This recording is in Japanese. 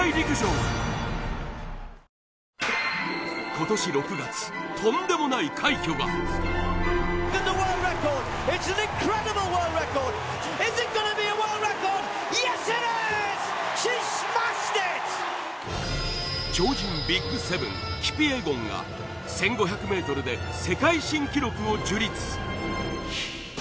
今年６月とんでもない快挙が超人ＢＩＧ７キピエゴンが１５００ｍで世界新記録を樹立